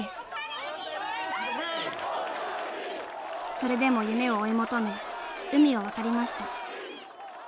それでも夢を追い求め海を渡りました。